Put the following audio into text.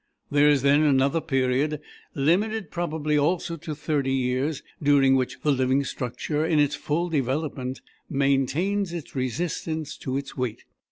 There is then another period, limited probably also to thirty years, during which the living structure in its full development maintains its resistance to its weight.